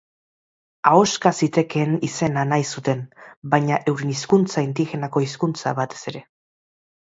Ahoska zitekeen izena nahi zuten, baina euren hizkuntza indigenako hizkuntza, batez ere.